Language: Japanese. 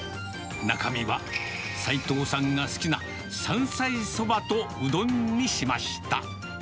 中身は齋藤さんが好きな山菜そばとうどんにしました。